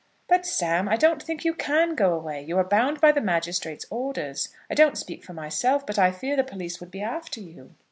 "But, Sam, I don't think you can go away. You are bound by the magistrates' orders. I don't speak for myself, but I fear the police would be after you."